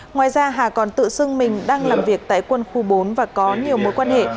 ngoài ra hà còn tự xưng mình đang làm việc tại quân khu bốn và có nhiều mối quan hệ